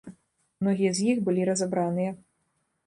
Многія з іх былі разабраныя.